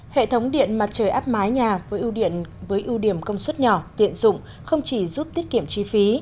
hệ thống điện mặt trời áp mái nhà với ưu điểm công suất nhỏ tiện dụng không chỉ giúp tiết kiệm chi phí